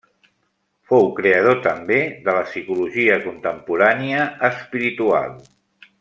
Fou creador també de la psicologia contemporània espiritual.